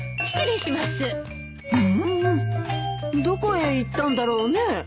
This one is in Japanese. どこへ行ったんだろうね。